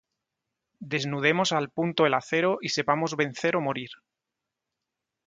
desnudemos al punto el acero y sepamos vencer o morir.